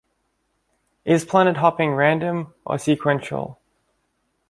Is planet hopping random, or sequential?